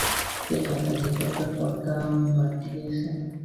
তিনি একাধিকবার পর্দা মাতিয়েছেন।